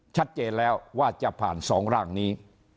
ชัดเจนแล้วว่าจะผ่าน๒ร่างนี้